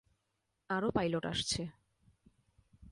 আরো পাইলট আসছে।